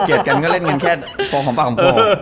เกลียดกันก็เล่นเงินแค่พอของปากของพ่อ